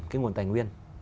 cái nguồn tài nguyên